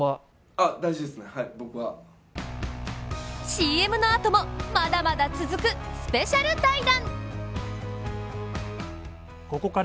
ＣＭのあともまだまだ続くスペシャル対談。